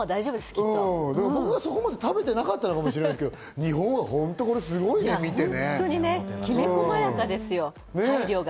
僕はそこまで食べてなかったのかもしれないですけど、日本はすごきめ細やかですよ、配慮が。